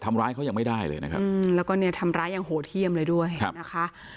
ทำร้ายเขายังไม่ได้เลยนะครับอืมแล้วก็เนี่ยทำร้ายอย่างโหดเยี่ยมเลยด้วยนะคะ